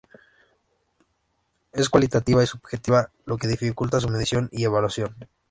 Es cualitativa y subjetiva, lo que dificulta su medición y evaluación.